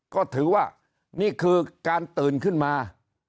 ก็ถือว่านี่คือการตื่นขึ้นมา